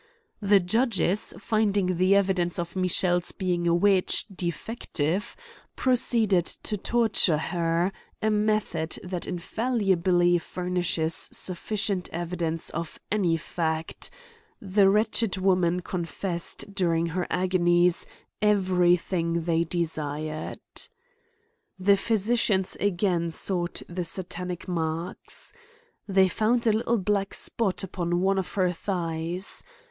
The judges finding the evi dence of Michelle's being a witch, defective, pro ceeded to torture her ; a method that infallibly far nishes sufficient evidence of any fact : the wretch 19^ A COMMENTAIiY (^ ed woman confessed during her agonies, every thing they desired. The physicians again sought the satanic marks^ They found a little black spot upon one of her thighs.